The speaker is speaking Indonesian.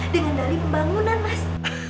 dengan dari pembangunan mas